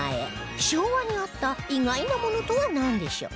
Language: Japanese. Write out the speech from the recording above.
昭和にあった意外なものとはなんでしょう？